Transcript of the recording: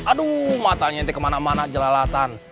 aduh matanya itu kemana mana jelalatan